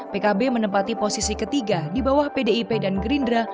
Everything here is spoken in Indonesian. pkb menempati posisi ketiga di bawah pdip dan gerindra